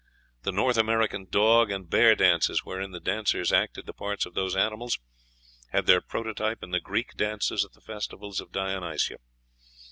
The North American dog and bear dances, wherein the dancers acted the part of those animals, had their prototype in the Greek dances at the festivals of Dionysia.